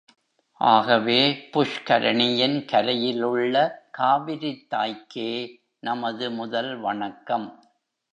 ஆகவே புஷ்கரணியின் கரையிலுள்ள காவிரித்தாய்க்கே நமது முதல் வணக்கம்.